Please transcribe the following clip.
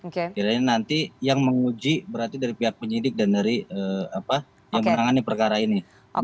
kiranya nanti yang menguji berarti dari pihak penyidik dan dari yang menangani perkara ini